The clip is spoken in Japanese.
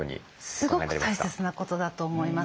すごく大切なことだと思います。